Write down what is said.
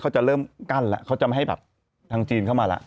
เขาจะเริ่มกั้นแล้วเขาจะไม่ให้แบบทางจีนเข้ามาแล้ว